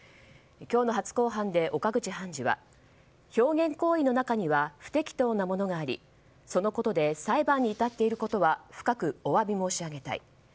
今日の初公判で岡口判事は表現行為の中には不適当なものがありそのことで裁判に至っていることは深くお詫び申し上げたい。